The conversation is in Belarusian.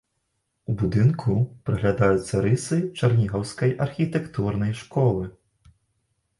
У будынку праглядаюцца рысы чарнігаўскай архітэктурнай школы.